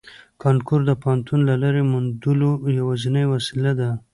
کانکور د پوهنتون د لارې موندلو یوازینۍ وسیله ده